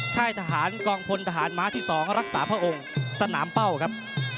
ค่ายทหารกองพลทหารม้าที่๒รักษาพระองค์สนามเป้าครับ